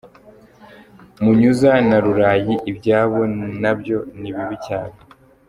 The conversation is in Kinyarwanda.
Munyuza na Rurayi, ibyabo na byo ni bibi cyane!